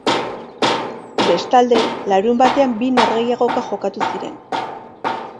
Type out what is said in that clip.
Bestalde, larunbatean bi norgehiagoka jokatu ziren.